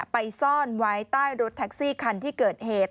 ไปซ่อนไว้ใต้รถแท็กซี่คันที่เกิดเหตุ